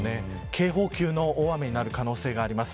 警報級の大雨になる可能性があります。